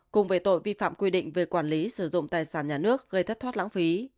cùng về tội vi phạm quy định về quản lý sử dụng tài sản nhà nước gây thất thoát lãng phí